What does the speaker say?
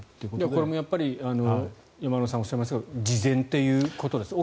これもやっぱり山村さんがおっしゃいましたが事前ということですね。